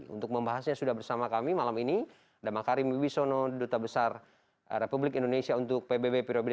untuk membahasnya sudah bersama kami malam ini dhammakarim iwisono duta besar republik indonesia untuk pbb pirobde dua ribu empat dua ribu tujuh